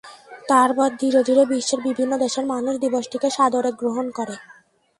তারপর ধীরে ধীরে বিশ্বের বিভিন্ন দেশের মানুষ দিবসটি সাদরে গ্রহণ করে।